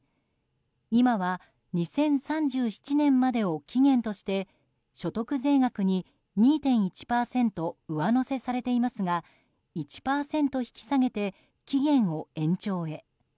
今は２０３７年までを期限として所得税額に２．１％上乗せされていますが１％引き下げて、期限を延長へ。